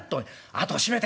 あと閉めて。